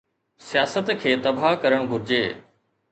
سياست کي تباهه ڪرڻ گهرجي.